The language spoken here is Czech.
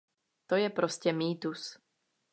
To je prostě mýtus.